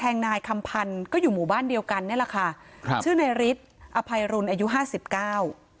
นายคำพันธ์ก็อยู่หมู่บ้านเดียวกันนี่แหละค่ะครับชื่อนายฤทธิ์อภัยรุนอายุห้าสิบเก้า